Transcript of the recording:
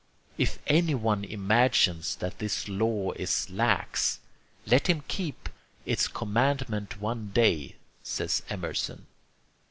If anyone imagines that this law is lax, let him keep its commandment one day, says Emerson.